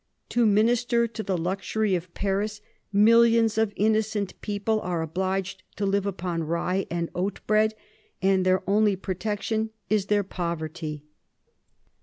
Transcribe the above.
To minister to the luxury of Paris millions of innocent people are obliged to live upon rye and oat bread, and their only protection is their poverty."